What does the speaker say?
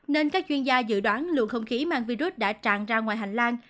nên các chuyên gia dự đoán lượng không khí mang virus đã tràn ra ngoài hành lang